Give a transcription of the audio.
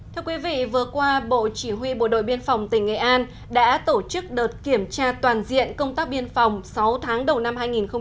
thưa quý vị vừa qua bộ chỉ huy bộ đội biên phòng tỉnh nghệ an đã tổ chức đợt kiểm tra toàn diện công tác biên phòng sáu tháng đầu năm hai nghìn một mươi chín